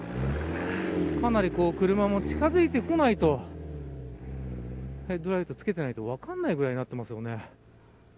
かなり車も近づいてこないとヘッドライトつけてないと分からないぐらいになってますよね。